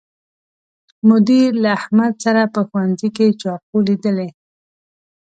مدیر له احمد سره په ښوونځي کې چاقو لیدلی